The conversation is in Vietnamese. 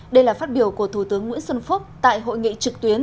đây là phát biểu của thủ tướng nguyễn xuân phúc tại hội nghị trực tuyến